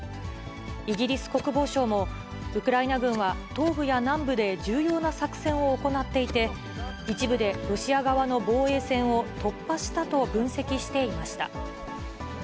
イギリス国防省も、ウクライナ軍は東部や南部で重要な作戦を行っていて、一部でロシア側の防衛線を突破したと分析していました。